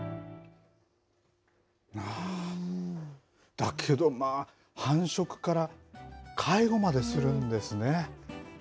だけど、まあ繁殖から介護までするんですね。